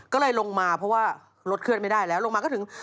ก็เลยลงมาเพราะว่ารถเคลื่อนไม่ได้แล้วลงมาก็ถึง